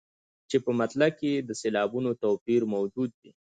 چې په مطلع کې یې د سېلابونو توپیر موجود وي.